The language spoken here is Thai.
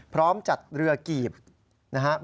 พร้อมจัดเรือกีบนะครับ